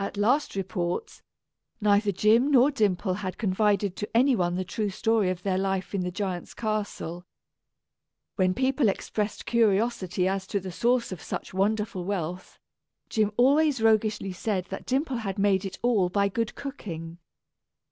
At last reports, neither Jim nor Dimple had confided to anyone the true story of their life in the giant's castle. When people expressed curiosity as to the source of such wonderful wealth, Jim always roguishly said that Dimple had made it all by good cooking.